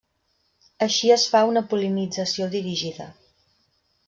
Així es fa una pol·linització dirigida.